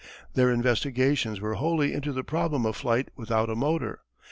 Their investigations were wholly into the problem of flight without a motor.